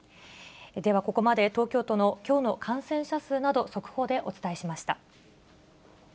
では、ここまで東京都のきょうの感染者数など、速報でお伝えしました。